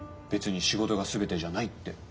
「別に仕事が全てじゃない」って。